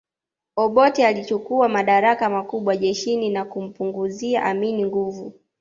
Obote alichukua madaraka makubwa jeshini na kumpunguzia Amin nguvu